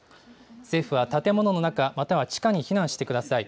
政府は建物の中、または地下に避難してください。